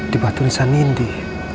di batu nisan indi